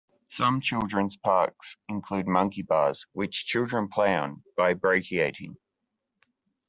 Some children's parks include monkey bars which children play on by brachiating.